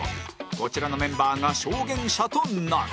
こちらのメンバーが証言者となる